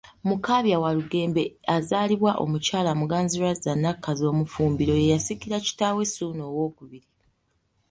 Mukaabya Walugembe azaalibwa Omukyala Muganzirwazza Nakkazi Omufumbiro, ye yasikira kitaawe Ssuuna II.